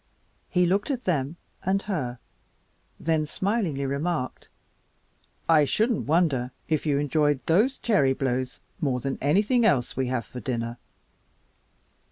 He looked at them and her, then smilingly remarked, "I shouldn't wonder if you enjoyed those cherry blows more than anything else we have for dinner."